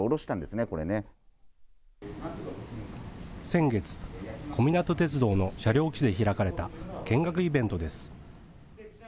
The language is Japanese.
先月、小湊鐵道の車両基地で開かれた見学イベントです。